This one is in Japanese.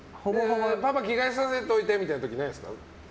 パパ着替えさせといてみたいな時ないですか？